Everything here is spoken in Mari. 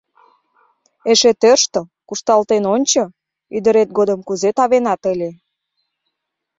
Эше тӧрштыл, кушталтен ончо, ӱдырет годым кузе тавенат ыле...